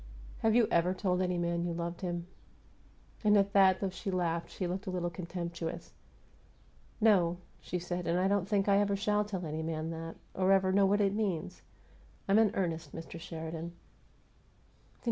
"Have you ever told any man you loved him?" And at that, though she laughed, she looked a little contemptuous. "No," she said. "And I don't think I ever shall tell any man that or ever know what it means. I'm in earnest, Mr. Sheridan."